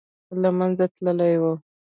له منځه تللی وو.